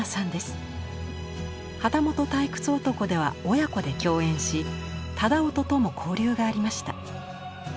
「旗本退屈男」では親子で共演し楠音とも交流がありました。